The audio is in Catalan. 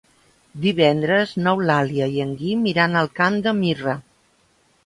Divendres n'Eulàlia i en Guim iran al Camp de Mirra.